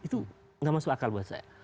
itu tidak masuk akal buat saya